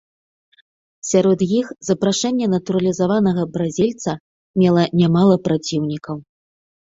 Сярод іх, запрашэнне натуралізаванага бразільца мела нямала праціўнікаў.